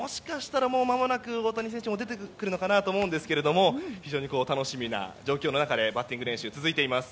もしかしたら、もうまもなく大谷選手も出てくるのかなと思いますが非常に楽しみな状況の中でバッティング練習続いています。